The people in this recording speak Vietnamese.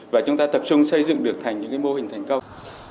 và chúng ta tập trung xây dựng được thành những mô hình thành công